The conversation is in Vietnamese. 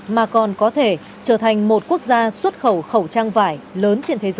mà còn có thể trở thành một quốc gia xuất khẩu khẩu trang vải lớn trên thế giới